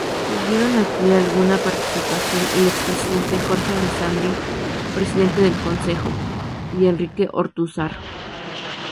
Tuvieron aquí alguna participación el expresidente Jorge Alessandri, Presidente del Consejo, y Enrique Ortúzar.